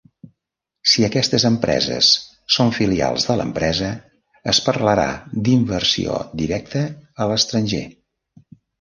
Si aquestes empreses són filials de l'empresa, es parlarà d'inversió directa a l'estranger.